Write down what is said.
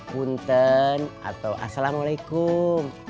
punten atau assalamualaikum